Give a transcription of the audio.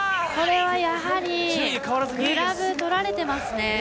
これは、やはりグラブとられていますね。